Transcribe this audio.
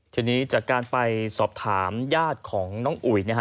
ทีนี้จากการไปสอบถามญาติของน้องอุ๋ยนะฮะ